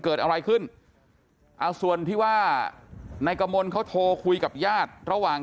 เกิดอะไรขึ้นเอาส่วนที่ว่านายกมลเขาโทรคุยกับญาติระหว่าง